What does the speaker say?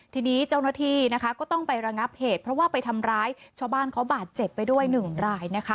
ทีนี้เจ้าหน้าที่นะคะก็ต้องไประงับเหตุเพราะว่าไปทำร้ายชาวบ้านเขาบาดเจ็บไปด้วยหนึ่งรายนะคะ